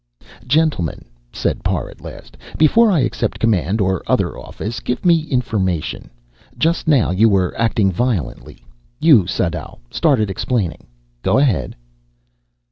"Gentlemen," said Parr at last, "before I accept command or other office, give me information. Just now you were acting violently. You, Sadau, started explaining. Go ahead."